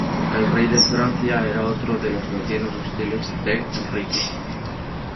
El rey de Francia era otro de los vecinos hostiles de Enrique.